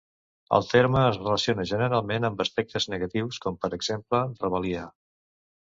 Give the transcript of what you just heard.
El terme es relaciona generalment amb aspectes negatius, com per exemple rebel·lia.